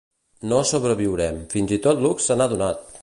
No sobreviurem, fins i tot Hux se n'ha adonat!